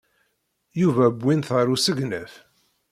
Yuba wwin-t ɣer usegnaf.